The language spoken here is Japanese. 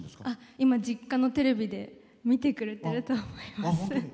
今、実家のテレビで見てくれてると思います。